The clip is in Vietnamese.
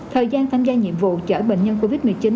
thời gian tham gia nhiệm vụ chở bệnh nhân covid một mươi chín